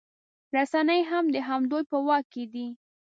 رسنۍ هم د همدوی په واک کې دي